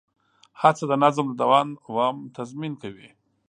هڅه د نظم د دوام تضمین کوي.